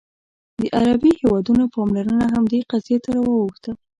د عربي هېوادونو پاملرنه هم دې قضیې ته واوښته.